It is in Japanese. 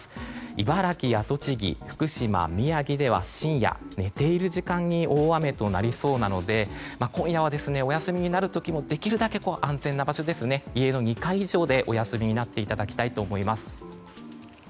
茨城や栃木福島、宮城では深夜寝ている時間に大雨となりそうなので今夜は、お休みになる時もできるだけ安全な場所家の２階以上でお休みになっていただきたいと思います。